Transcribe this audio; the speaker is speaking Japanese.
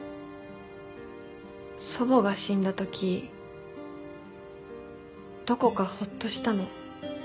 祖母が死んだ時どこかホッとしたの。